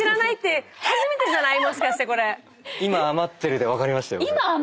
「今余ってる」で分かりましたよ。